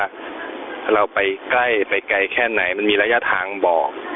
เราไปใกล้ไปไกลแค่ไหนมันมีระยะทางบอก